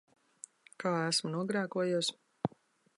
Kā esmu nogrēkojies?